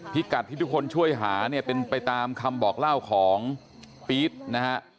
กัดที่ทุกคนช่วยหาเนี่ยเป็นไปตามคำบอกเล่าของปี๊ดนะฮะ